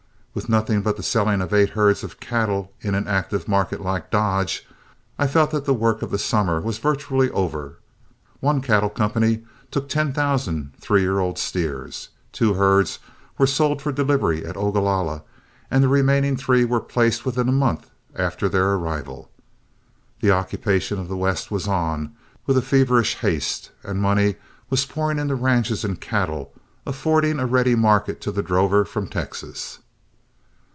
With nothing but the selling of eight herds of cattle in an active market like Dodge, I felt that the work of the summer was virtually over. One cattle company took ten thousand three year old steers, two herds were sold for delivery at Ogalalla, and the remaining three were placed within a month after their arrival. The occupation of the West was on with a feverish haste, and money was pouring into ranches and cattle, affording a ready market to the drover from Texas.